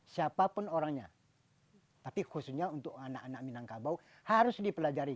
siapapun orangnya tapi khususnya untuk anak anak minangkabau harus dipelajari